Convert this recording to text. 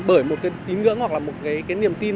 bởi một cái tín ngưỡng hoặc là một cái niềm tin